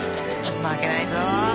負けないぞ！